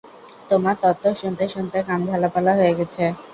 তোমার তত্ত্ব শুনতে-শুনতে কান ঝালাপালা হয়ে গেছে।